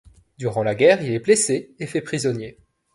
Durant la guerre, il est blessé et fait prisonnier.